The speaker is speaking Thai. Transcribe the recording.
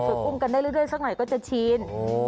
คืออุ้มกันได้เรื่อยสักหน่อยก็จะชิน